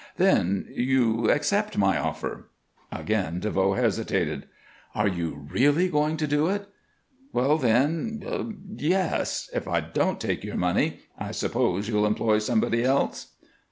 "Then you accept my offer?" Again DeVoe hesitated. "Are you really going to do it? Well then, yes. If I don't take your money, I suppose you'll employ somebody else."